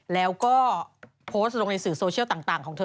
แล้วก็โพสต์ลงในสื่อโซเชียลต่างของเธอ